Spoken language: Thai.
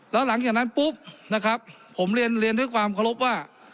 แล้วหลังจากนั้นปุ๊บนะครับผมเรียนเรียนด้วยความเคารพว่า